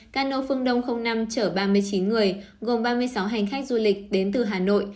cano phương đông năm chở ba mươi chín người gồm ba mươi sáu hành khách du lịch đến từ hà nội